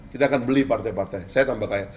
kita akan beli partai partai saya tambah tanya